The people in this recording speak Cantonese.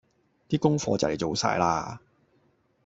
的功課就嚟做晒喇